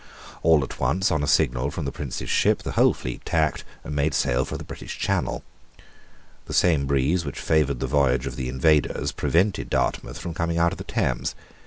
All at once, on a signal from the Prince's ship, the whole fleet tacked, and made sail for the British Channel. The same breeze which favoured the voyage of the invaders prevented Dartmouth from coming out of the Thames.